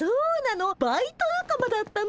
バイト仲間だったの？